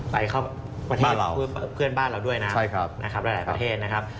ไปเข้าประเทศเพื่อนบ้านเราด้วยนะครับหลายประเทศนะครับ